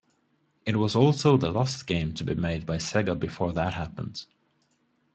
It was also the last game to be made by Sega before that happened.